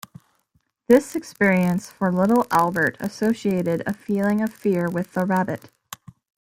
This experience for Little Albert associated a feeling of fear with the rabbit.